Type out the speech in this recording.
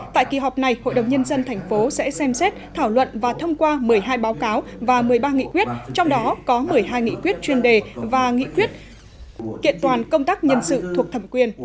tại kỳ họp này hội đồng nhân dân thành phố sẽ xem xét thảo luận và thông qua một mươi hai báo cáo và một mươi ba nghị quyết trong đó có một mươi hai nghị quyết chuyên đề và nghị quyết kiện toàn công tác nhân sự thuộc thẩm quyền